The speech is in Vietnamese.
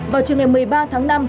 vào trường ngày một mươi ba tháng năm